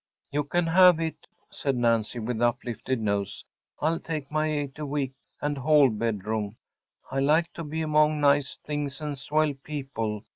‚ÄĚ “You can have it,‚ÄĚ said Nancy, with uplifted nose. “I’ll take my eight a week and hall bedroom. I like to be among nice things and swell people.